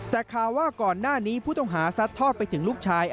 แต่ข่าวว่าก่อนหน้านี้ผู้ต้องหาซัดทอดไปถึงลูกชาย